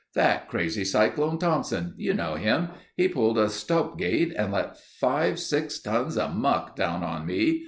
"That crazy Cyclone Thompson. You know him ... he pulled a stope gate and let five six tons of muck down on me.